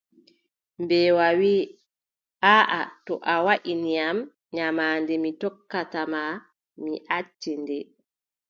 Mbeewa wii: aaʼa to a waʼini am, nyamaande mi tokkata ma, mi acci nde.